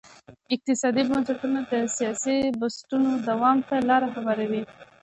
اقتصادي بنسټونه د سیاسي بنسټونو دوام ته لار هواروي.